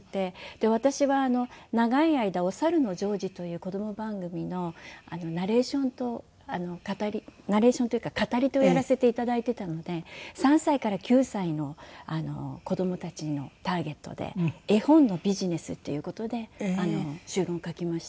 で私は長い間『おさるのジョージ』という子ども番組のナレーションと語りナレーションというか語り手をやらせていただいてたので３歳から９歳の子どもたちをターゲットで絵本のビジネスっていう事で修論書きました。